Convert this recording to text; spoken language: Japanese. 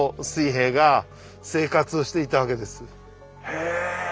へえ！